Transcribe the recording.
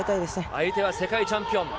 相手は世界チャンピオン。